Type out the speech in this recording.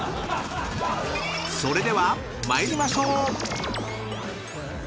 ［それでは参りましょう！］